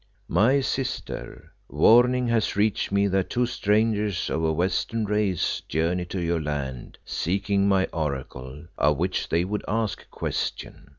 "My sister Warning has reached me that two strangers of a western race journey to your land, seeking my Oracle, of which they would ask a question.